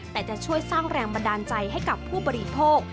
แต่จะช่วยสร้างแรงบันดาลใจให้กับผู้บริโภค